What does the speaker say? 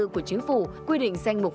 của chính phủ quy định xanh mục